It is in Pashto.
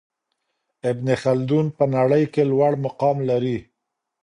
ابن خلدون په نړۍ کي لوړ مقام لري.